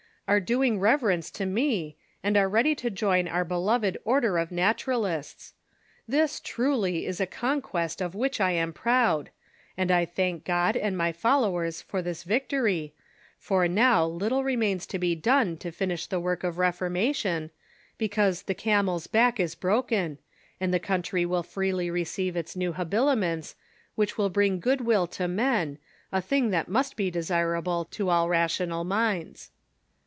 are doing reverence to me, and are ready to join our beloved Order of Naturaluts. This, truly, is a conquest of which I am proud, and 1 thank God and my followers for this victory, for now little remains to be done to finish the work of reformation, because the ' camel's back is broken,' and the country will freely receive its new habiliments, which will bring good will to men, a thing that must be desirable to all rational minds.